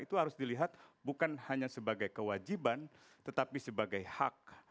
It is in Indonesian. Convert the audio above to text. itu harus dilihat bukan hanya sebagai kewajiban tetapi sebagai hak